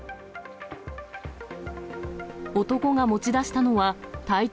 男が持ち出したのは体長